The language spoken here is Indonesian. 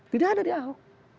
tidak ada di ahok